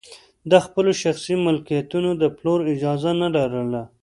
د خپلو شخصي ملکیتونو د پلور اجازه نه لرله.